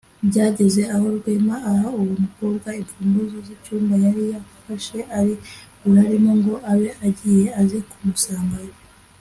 Byageze aho Rwema aha uwo mukobwa imfunguzo z’ icyumba yari yafashe ari burarermo ngo abe agiye aze kumusangayo